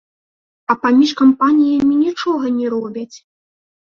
А паміж кампаніямі нічога не робяць!